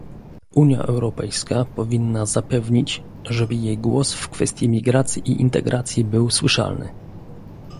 Unia Europejska powinna zapewnić, żeby jej głos w kwestii migracji i integracji był słyszalny